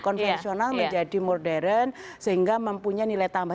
konvensional menjadi modern sehingga mempunyai nilai tambah